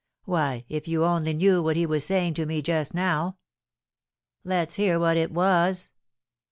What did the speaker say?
Why, if you only knew what he was saying to me just now " "Let's hear what it was!"